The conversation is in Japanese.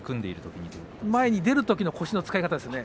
前に出るときの腰の使い方ですね。